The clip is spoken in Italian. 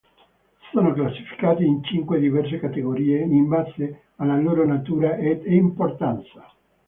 Sono classificate in cinque diverse categorie in base alla loro natura ed importanza.